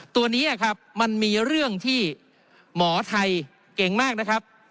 ตัวนี้ครับมันมีเรื่องที่หมอไทยเก่งมากนะครับ